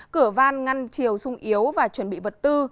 cửa van ngăn chiều sung yếu và chuẩn bị vật tư